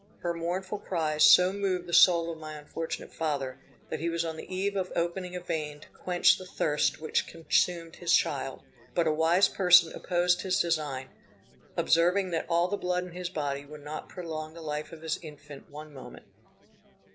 Her mournful cries so moved the soul of my unfortunate father, that he was on the eve of opening a vein to quench the thirst which consumed his child; but a wise person opposed his design, observing that all the blood in his body would not prolong the life of his infant one moment.